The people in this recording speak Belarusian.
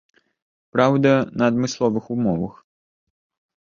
Праўда, на адмысловых умовах.